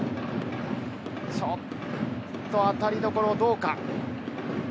ちょっと当たりどころどうか？